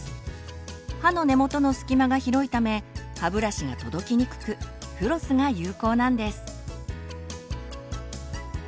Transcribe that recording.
歯の根元のすき間が広いため歯ブラシが届きにくくフロスが有効なんです。